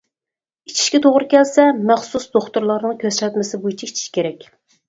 ئىچىشكە توغرا كەلسە، مەخسۇس دوختۇرلارنىڭ كۆرسەتمىسى بويىچە ئىچىش كېرەك.